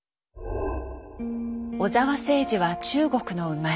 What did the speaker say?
小澤征爾は中国の生まれ。